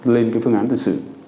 lên cái phương án từ sự